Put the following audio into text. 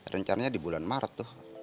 rencananya di bulan maret